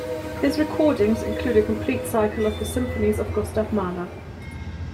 His recordings include a complete cycle of the symphonies of Gustav Mahler.